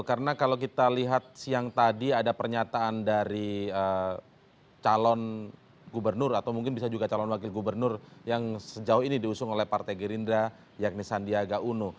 karena kalau kita lihat siang tadi ada pernyataan dari calon gubernur atau mungkin bisa juga calon wakil gubernur yang sejauh ini diusung oleh partai gerindra yakni sandiaga uno